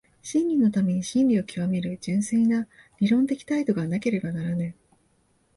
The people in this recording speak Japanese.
真理のために真理を究める純粋な理論的態度がなければならぬ。